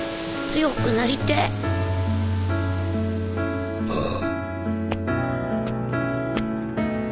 強くなりてえよぉ。